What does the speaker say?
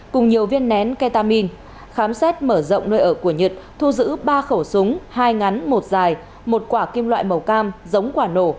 cùng nhiều viên nén ketamin khám xét mở rộng nơi ở của nhật thu giữ ba khẩu súng hai ngắn một dài một quả kim loại màu cam giống quả nổ